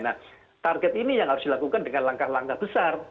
nah target ini yang harus dilakukan dengan langkah langkah besar